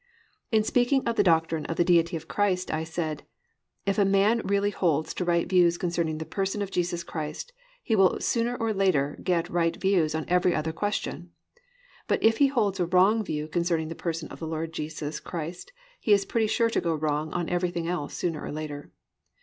In speaking on the doctrine of the Deity of Christ I said: "If a man really holds to right views concerning the person of Jesus Christ he will sooner or later get right views on every other question, but if he holds a wrong view concerning the person of the Lord Jesus Christ he is pretty sure to go wrong on everything else sooner or later."